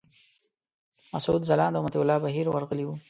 مسعود ځلاند او مطیع الله بهیر ورغلي وو.